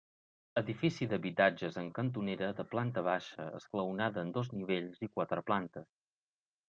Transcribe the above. Edifici d'habitatges en cantonera, de planta baixa, esglaonada en dos nivells, i quatre plantes.